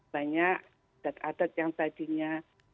banyak adat adat yang tadinya